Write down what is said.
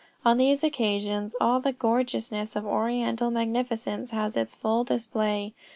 On these occasions, all the gorgeousness of oriental magnificence has its full display.